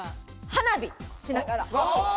花火しながら。